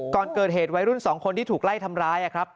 ก่อนเกิดเหตุวัยรุ่น๒คนที่ถูกไล่ทำร้ายครับ